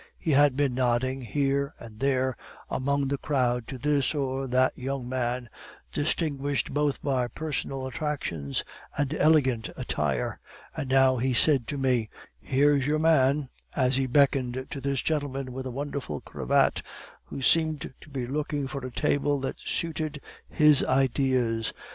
He had been nodding here and there among the crowd to this or that young man, distinguished both by personal attractions and elegant attire, and now he said to me: "'Here's your man,' as he beckoned to this gentleman with a wonderful cravat, who seemed to be looking for a table that suited his ideas.